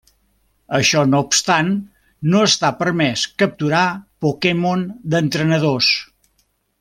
Això no obstant, no està permès capturar Pokémon d'entrenadors.